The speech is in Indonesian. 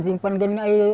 saya tidak tahu